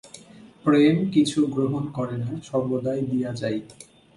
প্রেম কিছু গ্রহণ করে না সর্বদাই দিয়া যায়।